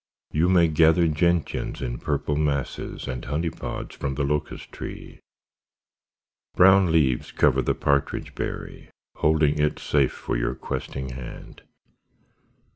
You may gather gentians in purple masses And honeypods from the locust tree. Brown leaves cover the partridge berry, \ Holding it safe for your questing hand.